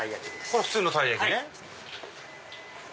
これは普通のたい焼きね。